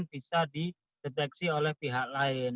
bisa dideteksi oleh pihak lain